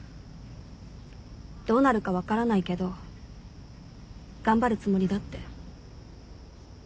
どうなるか分からないけど頑張るつもりだって。